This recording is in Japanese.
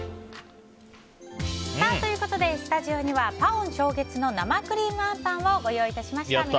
ということでスタジオにはパオン昭月の生クリームあんぱんをご用意致しました。